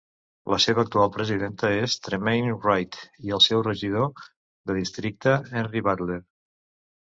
La seva actual presidenta és Tremaine Wright, i el seu regidor de districte Henry Butler.